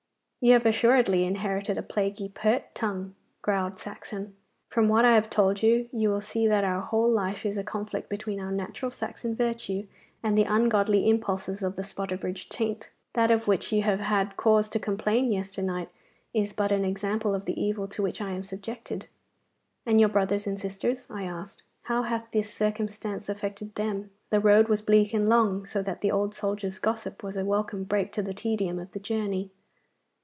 'You have assuredly inherited a plaguy pert tongue,' growled Saxon. 'From what I have told you, you will see that our whole life is a conflict between our natural Saxon virtue and the ungodly impulses of the Spotterbridge taint. That of which you have had cause to complain yesternight is but an example of the evil to which I am subjected.' 'And your brothers and sisters?' I asked; 'how hath this circumstance affected them?' The road was bleak and long, so that the old soldier's gossip was a welcome break to the tedium of the journey.